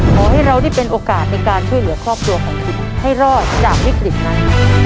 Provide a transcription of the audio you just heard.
ขอให้เราได้เป็นโอกาสในการช่วยเหลือครอบครัวของคุณให้รอดจากวิกฤตนั้น